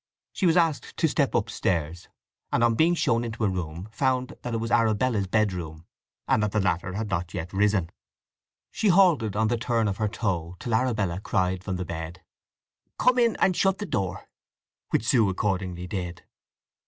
She was asked to step upstairs, and on being shown into a room found that it was Arabella's bedroom, and that the latter had not yet risen. She halted on the turn of her toe till Arabella cried from the bed, "Come in and shut the door," which Sue accordingly did.